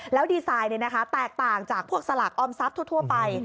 แล้วดีไซน์แตกต่างจากพวกสลากออมทรัพย์ทั่วไป